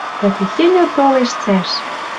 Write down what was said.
Дӓ техеньӹ толеш цӓш!..